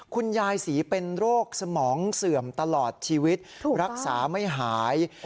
คุณยายศรีเป็นโรคสมองเสื่อมตลอดชีวิตรักษาไม่หาย